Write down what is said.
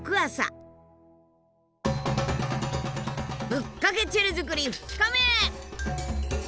ぶっかけチェレ作り２日目！